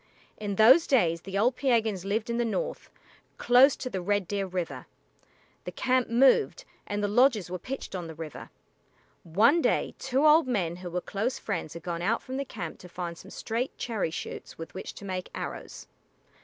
In those days the old Piegans lived in the north, close to the Red Deer River. The camp moved, and the lodges were pitched on the river. One day two old men who were close friends had gone out from the camp to find some straight cherry shoots with which to make arrows.